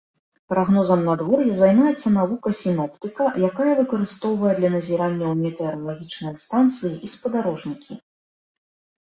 Прагнозам надвор'я займаецца навука сіноптыка, якая выкарыстоўвае для назіранняў метэаралагічныя станцыі і спадарожнікі.